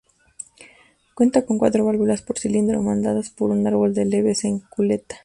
Cuenta con cuatro válvulas por cilindro, mandadas por un árbol de levas en culata.